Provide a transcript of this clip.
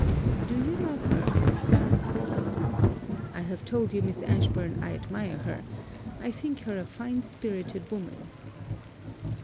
'Do you love her, sir?' 'I have told you, Miss Ashburn, I admire her I think her a fine spirited woman.'